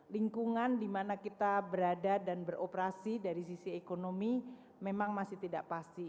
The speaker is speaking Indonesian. lingkungan dimana kita berada dan beroperasi dari sisi ekonomi memang masih tidak pasti